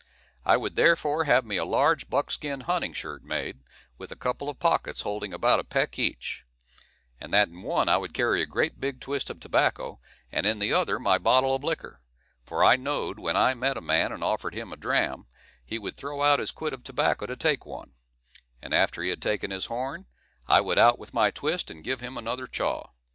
I would therefore have me a large buckskin hunting shirt made, with a couple of pockets holding about a peck each; and that in one I would carry a great big twist of tobacco, and in the other my bottle of liquor; for I knowed when I met a man and offered him a dram, he would throw out his quid of tobacco to take one, and after he had taken his horn, I would out with my twist and give him another chaw.